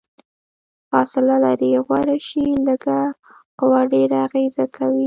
فاصله لرې غوره شي، لږه قوه ډیره اغیزه کوي.